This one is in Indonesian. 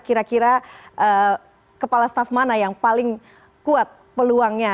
kira kira kepala staff mana yang paling kuat peluangnya